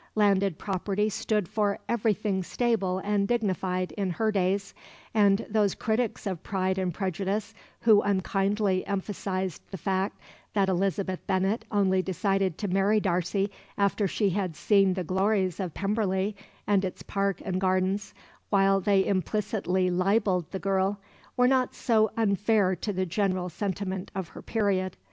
Landed property stood for everything stable and dignified in her days, and those critics of Pride and Prejudice who unkindly emphasized the fact that Elizabeth Bennet only decided to marry Darcy after she had seen the glories of Pemberley and its park and gardens, while they implicitly libelled the girl, were not so unfair to the general sentiment of her period.